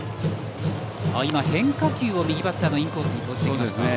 変化球を右バッターのインコースに投じてきました。